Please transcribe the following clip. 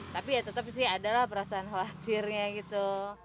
tapi ya tetap sih adalah perasaan khawatirnya gitu